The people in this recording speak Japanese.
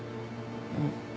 うん。